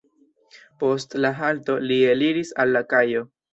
Post la halto li eliris al la kajo.